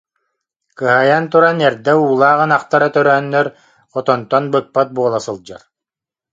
Кыһайан туран эрдэ уулаах ынахтара төрөөннөр, хотонтон быкпат буола сылдьар